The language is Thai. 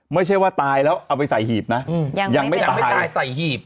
ไม่ใช่ว่าตายแล้วเอาไปใส่หีบนะยังไม่ทำให้ตายใส่หีบ